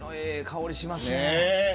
香りがしますね。